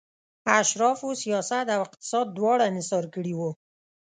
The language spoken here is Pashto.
اشرافو سیاست او اقتصاد دواړه انحصار کړي وو